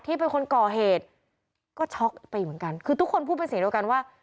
เป็นคนก่อเหตุก็ช็อกไปเหมือนกันคือทุกคนพูดเป็นเสียงเดียวกันว่า